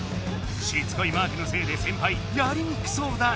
しつこいマークのせいで先輩やりにくそうだ。